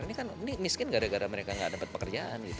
ini kan ini miskin gara gara mereka nggak dapat pekerjaan gitu